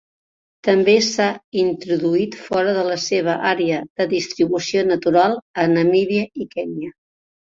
També s'ha introduït fora de la seva àrea de distribució natural a Namíbia i Kenya.